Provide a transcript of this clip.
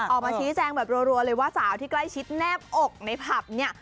ออกมาชี้แจงแบบรัวเลยว่าสาวที่ใกล้ชิดแนบอกในผับเนี่ย